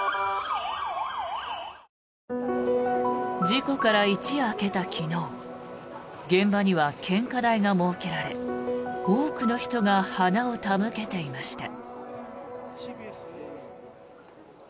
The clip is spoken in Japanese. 事故から一夜明けた昨日現場には献花台が設けられ多くの人が花を手向けていました。